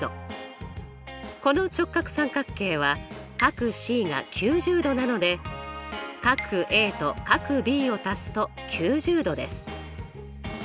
この直角三角形は角Ｃが９０°なので角Ａと角Ｂを足すと９０°です。